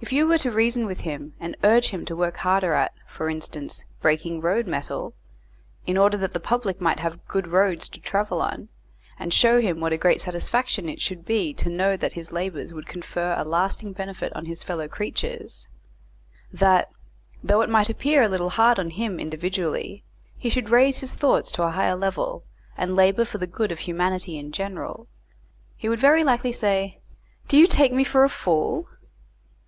If you were to reason with him, and urge him to work harder at, for instance, breaking road metal, in order that the public might have good roads to travel on, and show him what a great satisfaction it should be to know that his labours would confer a lasting benefit on his fellow creatures; that, though it might appear a little hard on him individually, he should raise his thoughts to a higher level, and labour for the good of humanity in general, he would very likely say, "Do you take me for a fool?"